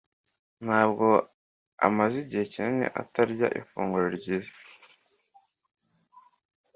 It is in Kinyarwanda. Ntabwo amaze igihe kinini atarya ifunguro ryiza.